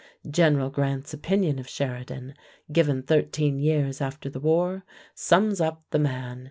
General Grant's opinion of Sheridan, given thirteen years after the war, sums up the man.